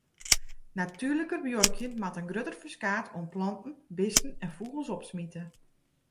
Natuerliker buorkjen moat in grutter ferskaat oan planten, bisten en fûgels opsmite.